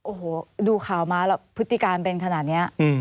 โอ้โหดูข่าวมาแล้วพฤติการเป็นขนาดนี้